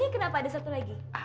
kenapa ada satu lagi